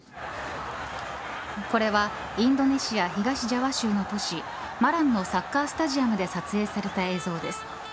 これはインドネシア東ジャワ州の都市マランのサッカースタジアムで撮影された映像です。